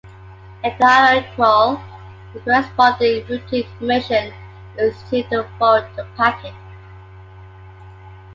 If they are equal, the corresponding routing information is used to forward the packet.